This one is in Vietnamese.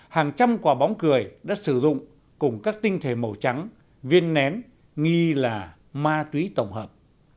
hàng trăm quả bóng cười đã sử dụng cùng các tinh thể màu trắng viên nén nghi là ma túy tổng hợp